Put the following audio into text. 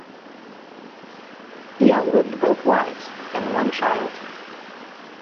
He outlived both wives and one child.